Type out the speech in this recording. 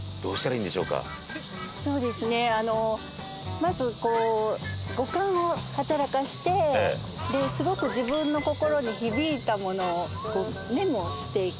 まずこう五感を働かせてですごく自分の心に響いたものをメモしていく。